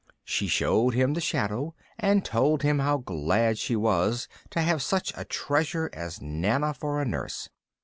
She showed him the shadow, and told him how glad she was to have such a treasure as Nana for a nurse.